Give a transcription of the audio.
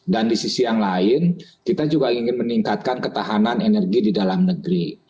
dan di sisi yang lain kita juga ingin meningkatkan ketahanan energi di dalam negeri